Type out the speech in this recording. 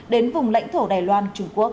đến vùng lãnh thổ đài loan trung quốc